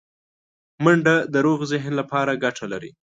منډه د روغ ذهن لپاره ګټه لري